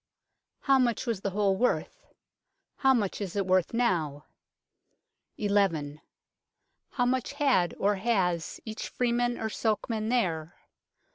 How much was the whole worth ? How much is it worth now ? 1 1 . How much had or has each freeman or sokeman there